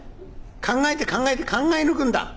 考えて考えて考え抜くんだ」。